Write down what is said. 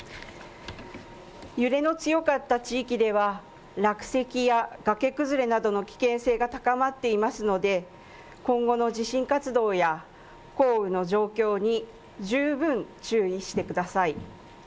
揺れの強かった地域では、落石やがけ崩れなどの危険性が高まっていますので、今後の地震活動や降雨の状況に十分注意してください。